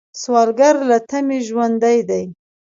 سوالګر له تمې ژوندی دی